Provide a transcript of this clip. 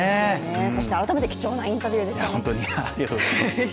そして改めて貴重なインタビューでしたね。